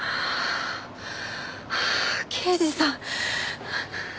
ああ刑事さん。